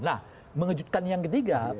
nah mengejutkan yang ketiga